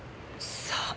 さあ？